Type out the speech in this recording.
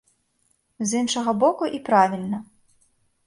З іншага боку, і правільна.